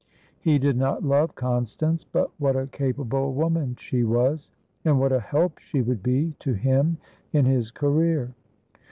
He did not love Constance, but what a capable woman she was!and what a help she would be to him in his career!